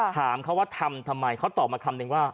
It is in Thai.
ถามเขาว่าทำทำไมเขาตอบมาคำนึงว่า